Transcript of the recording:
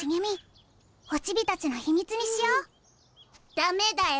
・ダメだよ。